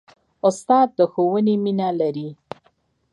استاد د ښوونې مینه لري.